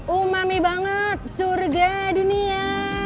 umami banget surga dunia